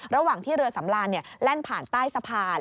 ระหว่างที่เรือสำรานแล่นผ่านใต้สะพาน